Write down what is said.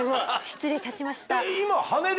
失礼いたしました。